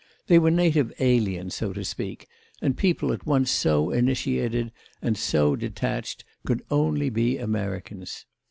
They were native aliens, so to speak, and people at once so initiated and so detached could only be Americans.